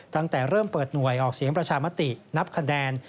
ตั้งแต่เริ่มเปิดหน่วยออกเสียงประชามตินับคะแนน